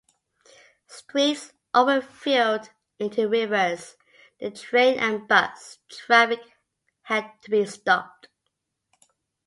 Streets overfilled into rivers, the train and bus traffic had to be stopped.